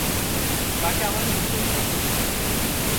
তাকে আমাদের ঈশ্বর হিসাবে পূজা করি।